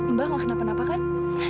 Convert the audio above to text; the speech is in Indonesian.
mbak kenapa kenapa kan